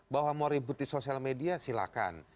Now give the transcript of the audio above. bahwa mau ribut di sosial media silakan